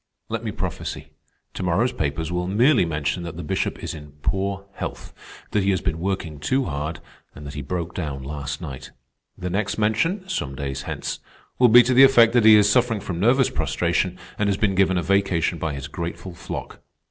"Let me prophesy. To morrow's papers will merely mention that the Bishop is in poor health, that he has been working too hard, and that he broke down last night. The next mention, some days hence, will be to the effect that he is suffering from nervous prostration and has been given a vacation by his grateful flock.